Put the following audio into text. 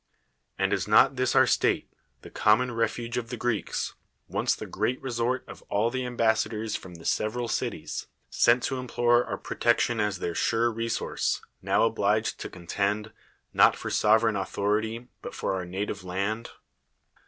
And is not this our state, the common refuge of the Greeks, once the great resort of all the ambassadors from the several cities, sent to implore our protection as their sure resource, now obliged to contend, not for sovereign authority, but for our native land